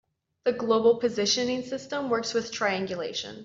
The global positioning system works with triangulation.